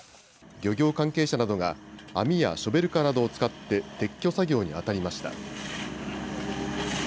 漁業関係者などが、網やショベルカーなどを使って、撤去作業に当たりました。